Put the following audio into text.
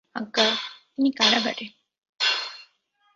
আজ্ঞা, তিনি কারাগারে।